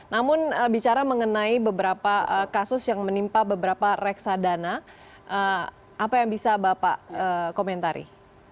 namun bicara mengenai beberapa kasus yang menimpa beberapa reksadana apa yang bisa bapak komentari